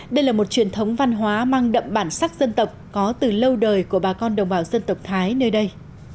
đây là một truyền thống văn hóa mang đậm bản sắc dân tộc có từ lâu đời của bà con đồng bào dân tộc thái nơi đây